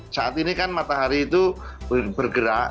saat ini kan matahari itu bergerak